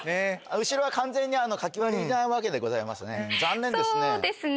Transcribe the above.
後ろは完全に書き割りなわけでございますね残念ですね